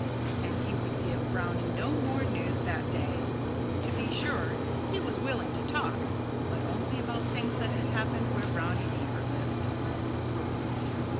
And 'he would give Brownie no more news that day. To be sure, he was willing to talk but only about things that had happened where Brownie Beaver lived.